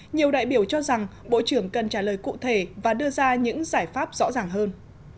nhiều đại biểu cho rằng bộ trưởng cần trả lời cụ thể và đưa ra những giải pháp rõ ràng hơn